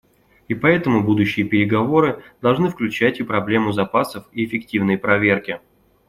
И поэтому будущие переговоры должны включать и проблему запасов и эффективной проверки.